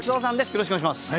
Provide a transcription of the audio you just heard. よろしくお願いします。